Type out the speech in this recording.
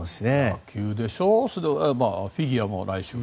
野球でしょフィギュアも来週か。